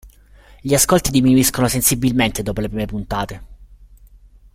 Gli ascolti diminuiscono sensibilmente dopo le prime puntate.